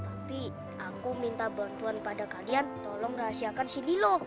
tapi aku minta bantuan pada kalian tolong rahasiakan sini loh